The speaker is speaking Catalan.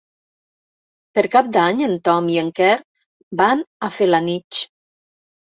Per Cap d'Any en Tom i en Quer van a Felanitx.